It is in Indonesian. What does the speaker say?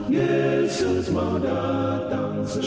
yesus mau datang segera